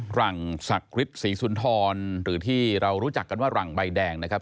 หลังศักดิ์ฤทธิศรีสุนทรหรือที่เรารู้จักกันว่าหลังใบแดงนะครับ